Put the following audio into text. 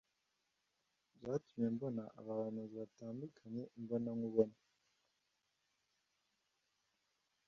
Byatumye mbona abahanzi batandukanye imbonankubone,